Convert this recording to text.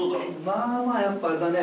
まあまあやっぱあれだね。